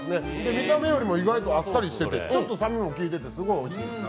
見た目よりも意外とあっさりしててちょっと酸味もきいててすごいおいしいです。